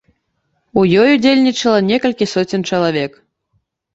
У ёй удзельнічала некалькі соцень чалавек.